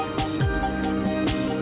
ana cepetan ke pintu